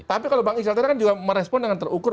tapi kalau bang izal tadi kan juga merespon dengan terukur